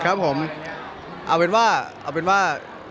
ครับผมเอาเป็นว่าเอาเป็นว่า